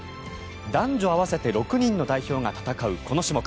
男女合わせて６人の代表が戦うこの種目。